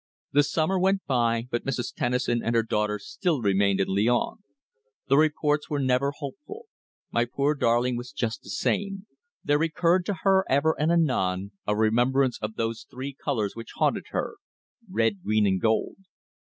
The summer went by, but Mrs. Tennison and her daughter still remained in Lyons. The reports were never hopeful. My poor darling was just the same. There recurred to her ever and anon a remembrance of those three colours which haunted her red, green and gold.